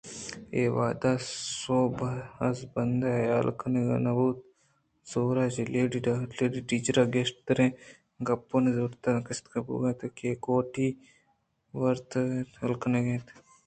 اے وہدی سُہب ءِ ازر بندءِ حیال کنگ نہ بوت ءُزُوت چہ لیڈی ٹیچر ءِ گیشتریں کُپگءُنرُٛنڈگاں گستا بوئگی اَت ءُاے کوٹی ہورک ءُیلہ کنگی اِنت